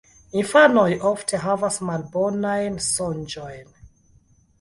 Infanoj ofte havas malbonajn sonĝojn.